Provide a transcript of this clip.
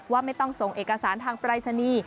ว่าไม่ต้องส่งเอกสารทางปรายศนีย์